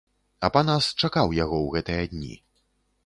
Апанас чакаў яго ў гэтыя дні.